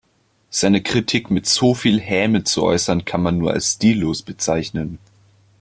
Seine Kritik mit so viel Häme zu äußern, kann man nur als stillos bezeichnen.